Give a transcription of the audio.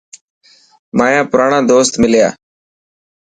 مايا پراڻا دوست مليا.